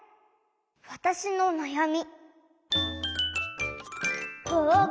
「わたしのなやみ」。